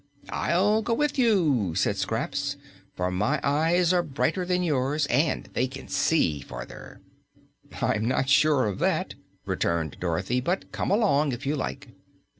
"I'll go with you," said Scraps, "for my eyes are brighter than yours, and they can see farther." "I'm not sure of that," returned Dorothy. "But come along, if you like."